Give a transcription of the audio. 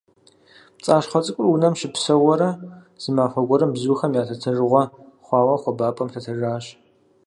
ПцӀащхъуэ цӀыкӀур унэм щыпсэууэрэ, зы махуэ гуэрым, бзухэм я лъэтэжыгъуэ хъуауэ, хуэбапӀэм лъэтэжащ.